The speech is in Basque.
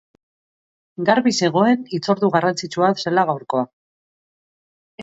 Garbi zegoen hitzordu garrantzitsua zela gaurkoa.